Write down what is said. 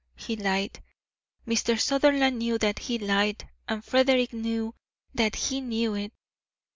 He lied. Mr. Sutherland knew that he lied and Frederick knew that he knew it.